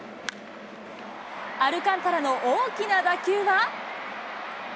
アルカンタラの大きな打球は。